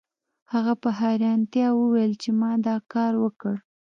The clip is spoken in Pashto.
هغه په حیرانتیا وویل چې ما دا کار وکړ